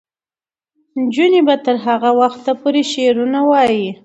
نجونې به تر هغه وخته پورې شعرونه وايي.